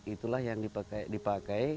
itulah yang dipakai